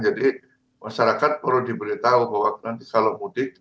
jadi masyarakat perlu diberitahu bahwa nanti kalau mudik